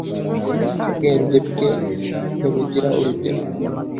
ubwenge bwe ntibugira urugero